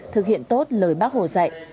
thực hiện tốt lời bác hồ dạy